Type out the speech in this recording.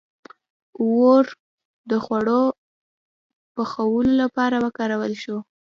• اور د خوړو پخولو لپاره وکارول شو.